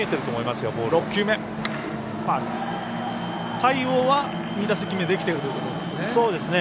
対応は２打席目できているということですね。